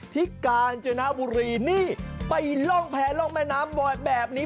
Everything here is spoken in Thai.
ที่การเจนาบุรีนี่ไปล่องแผลล่องแม่น้ำแบบนี้